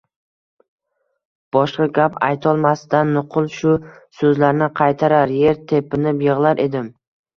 Boshqa gap aytolmasdan nuqul shu so‘zlarni qaytarar, yer tepinib yig‘lar edim.